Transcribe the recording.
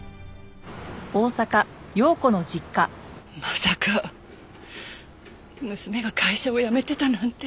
まさか娘が会社を辞めてたなんて。